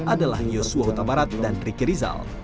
adalah yosua utabarat dan riki rizal